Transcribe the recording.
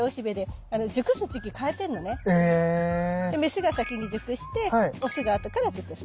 でメスが先に熟してオスが後から熟す。